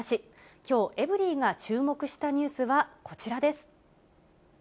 きょう、エブリィが注目したニュースはこちらです。